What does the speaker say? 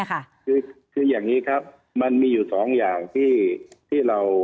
คือคืออย่างนี้ครับมันมีอยู่สองอย่างที่ที่เรา